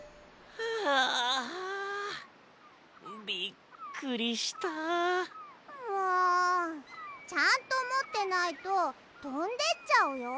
びっくりした。もちゃんともってないととんでっちゃうよ。